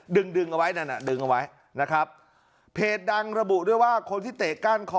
ดึงดึงเอาไว้นั่นอ่ะดึงเอาไว้นะครับเพจดังระบุด้วยว่าคนที่เตะก้านคอ